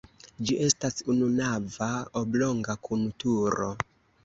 Ĝi estas ununava oblonga kun turo.